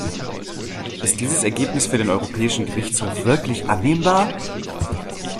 Ist dieses Ergebnis für den Europäischen Gerichtshof wirklich annehmbar?